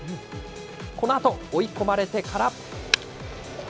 このあと、追い込まれてから。